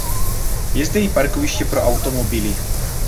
Je zde i parkoviště pro automobily.